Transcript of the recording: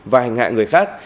và hành hạ người khác